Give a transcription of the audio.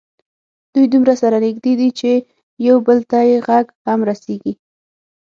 دوی دومره سره نږدې دي چې یو بل ته یې غږ هم رسېږي.